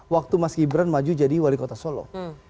waktu mas gibran maju jadi wali kota solo